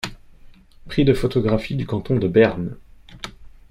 Prix de photographie du canton de Berne.